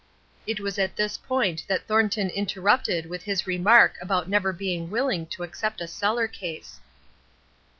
It was at this point that Thornton interrupted with his remark about never being willing to accept a cellar case.